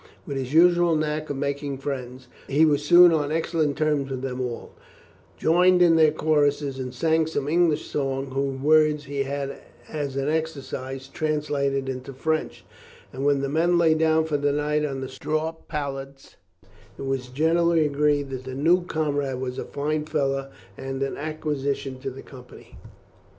With his usual knack of making friends, he was soon on excellent terms with them all, joined in their choruses, and sang some English songs whose words he had as an exercise translated into French, and when the men lay down for the night on their straw pallets it was generally agreed that the new comrade was a fine fellow and an acquisition to the company.